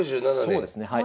そうですねはい。